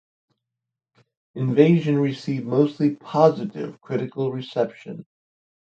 "Invasion" received mostly positive critical reception.